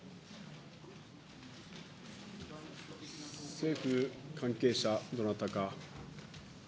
政府関係者、どなたか。